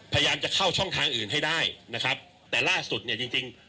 พยายามจะเข้าช่องทางอื่นให้ได้นะครับแต่ล่าสุดเนี่ยจริงจริง